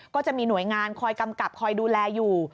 ก็จะมีหน่วยงานคอยกำกับคอยดูแลอยู่